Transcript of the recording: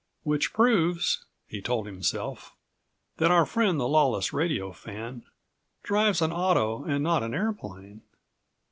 "Which proves," he told himself, "that our friend, the lawless radio fan, drives an auto and not an airplane.